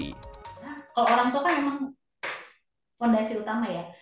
karena kalau orang tua kan memang fondasi utama ya